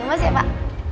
coba sih pak